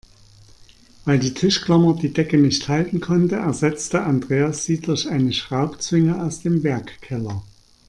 Weil die Tischklammer die Decke nicht halten konnte, ersetzte Andreas sie durch eine Schraubzwinge aus dem Werkkeller.